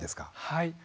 はい。